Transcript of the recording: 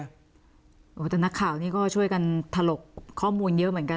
โอ้โหแต่นักข่าวนี่ก็ช่วยกันถลกข้อมูลเยอะเหมือนกัน